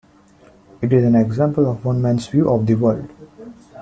It is an example of one man's view of the world.